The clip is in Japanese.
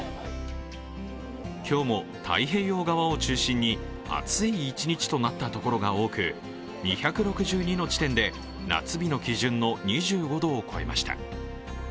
今日も太平洋側を中心に暑い一日となったところが多く２６２の地点で夏日の基準の２５度を超えました。